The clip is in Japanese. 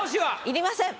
いりません。